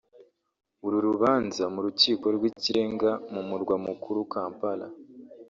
uru rubanza mu Rukiko rw’Ikirenga mu murwa mukuru Kampala